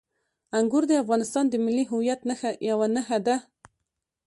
انګور د افغانستان د ملي هویت یوه نښه ده.